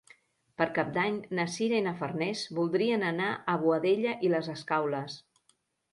Per Cap d'Any na Sira i na Farners voldrien anar a Boadella i les Escaules.